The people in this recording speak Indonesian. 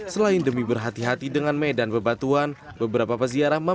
selain demi berhati hati dengan medan bebatuan beberapa peziarah